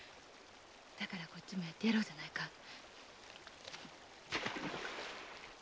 だからこっちもやってやろうじゃないか。